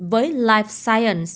với life science